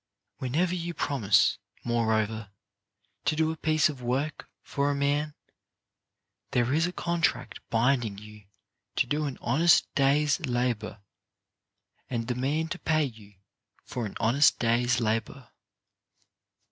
Whenever you promise, moreover, to do a piece of work for a man, there is a contract binding you to do an honest day's labour — and the man to pay you for an honest day's labour.